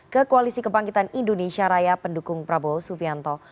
ke koalisi kebangkitan indonesia raya pendukung prabowo subianto